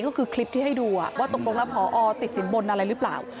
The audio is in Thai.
ก็คือคลิปที่ให้ดูว่าตกลงแล้วพอติดสินบนอะไรหรือเปล่า